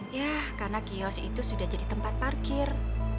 ya karena kios itu sudah jadi tempat parkir